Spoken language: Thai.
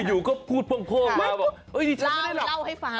อยู่ก็พูดพ่อมา